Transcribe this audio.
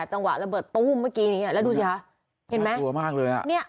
จังหวะระเบิดตู้มเมื่อกี้นี้แล้วดูสิคะเห็นไหมกลัวมากเลยอ่ะเนี้ย